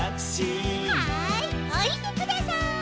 はいおりてください。